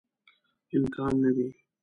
امکان نه وي.